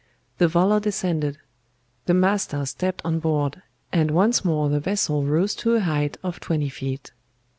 The volor descended; the master stepped on board, and once more the vessel rose to a height of twenty feet.